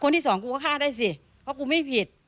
ที่สองกูก็ฆ่าได้สิเพราะกูไม่ผิด